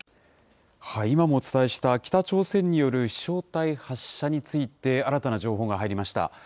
今もお伝えした北朝鮮による飛しょう体発射について、新たな情報が入りました。